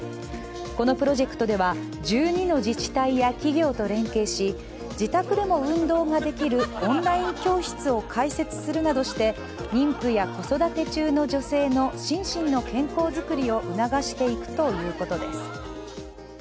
このプロジェクトでは１２の自治体や企業と連携し自宅でも運動ができるオンライン教室を開設するなどして妊婦や子育て中の女性の心身の健康作りを促していくということです。